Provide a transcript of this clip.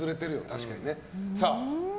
確かにね。